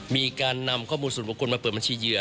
มีการนำข้อมูลส่วนบุคคลมาเปิดบัญชีเหยื่อ